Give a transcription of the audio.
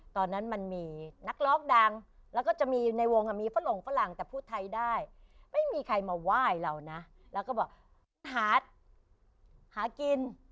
ตอนนั้นมันมีนักร้องดังแล้วก็จะมีในวงมีฝรงฝรั่งแต่พูดไทยได้ไม่มีใครมาไหว้เรานะแล้วก็บอกหากิน